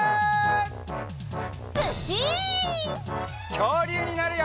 きょうりゅうになるよ！